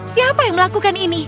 siapa yang melakukan ini